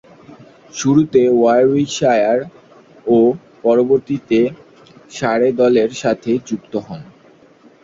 শুরুতে ওয়ারউইকশায়ার ও পরবর্তীতে সারে দলের সাথে যুক্ত হন।